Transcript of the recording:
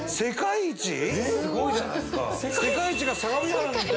すごいじゃないですか。